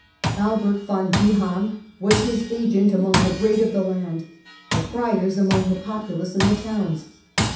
Albert von Beham was his agent among the great of the land, the friars among the populace and the towns.